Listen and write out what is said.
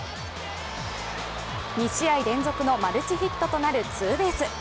２試合連のマルチヒットとなるツーベース。